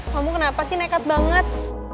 kamu kenapa sih nekat banget